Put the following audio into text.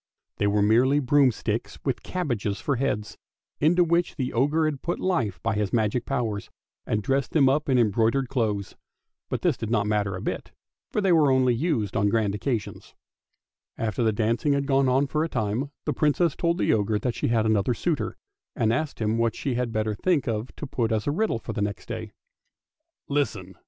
They were merely broomsticks with cabbages for heads, into which the ogre had put hie by his magic powers and dressed them up in embroidered clothes. But this did not matter a bit, for they were only used on grand occasions. After the dancing had gone on for a time, the Princess told the ogre that she had another suitor, and asked him what she had better think of to put as a riddle the next day. " Listen!